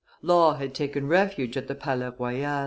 Law had taken refuge at the Palais Royal.